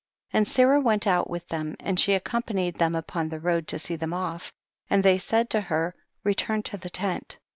16. And Sarah Went out with them, and she accompanied them upon the road to see them off, and they said to her, return to the tent.